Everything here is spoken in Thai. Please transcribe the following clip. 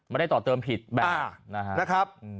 ต่อเติมผิดแบบนะครับ